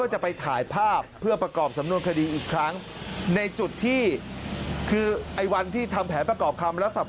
จะไปถ่ายภาพเพื่อประกอบสำนวนคดีอีกครั้งในจุดที่คือไอ้วันที่ทำแผนประกอบคำรับสับ